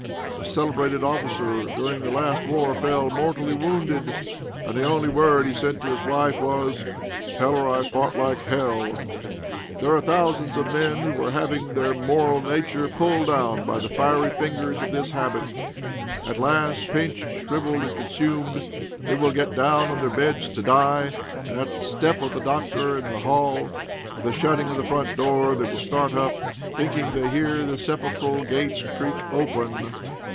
A celebrated officer during the last war fell mortally wounded, and the only word he sent to his wife was: "Tell her I fought like hell!" There are thousands of men who are having all their moral nature pulled down by the fiery fingers of this habit. At last, pinched, shrivelled, and consumed, they will get down on their beds to die, and at the step of the doctor in the hall, or the shutting of the front door, they will start up, thinking they hear the sepulchral gates creak open.